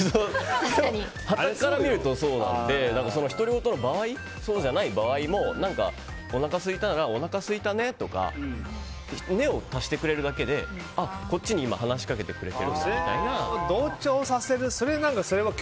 はたから見るとそうなので独り言の場合そうじゃない場合もおなかがすいたらおなかがすいた「ね」とか「ね」を足してくれるだけでこっちに今話しかけてくれてるみたいな。